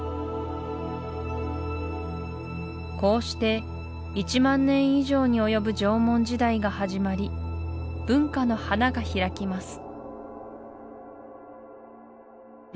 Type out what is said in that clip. こうして１万年以上に及ぶ縄文時代が始まり文化の花が開きます